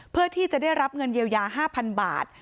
เพื่อที่จะได้รับเงินเยียวยา๕๐๐๐บาท